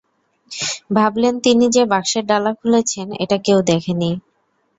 ভাবলেন, তিনি যে বাক্সের ডালা খুলেছেন, এটা কেউ দেখেনি।